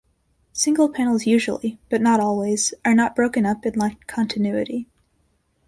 Single panels usually, but not always, are not broken up and lack continuity.